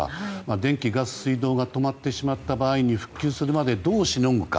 電気・ガス・水道が止まってしまった場合にどうしのぐか。